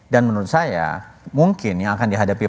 dan menurut saya mungkin yang akan dihadapi